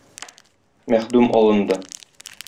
Мәхдүм алынды!